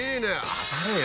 当たれよ。